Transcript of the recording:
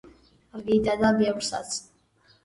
რიდა და ბევრსაც